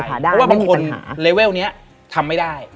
เพราะว่าบางคนเลเวลนี้ทำไม่ได้